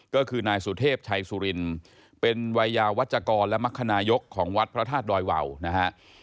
ก็คือนายสุเทพชัยสุรินเป็นวัยยาวัชกรและมรคนายกของวัดพระธาตุดอยวาวนะฮะ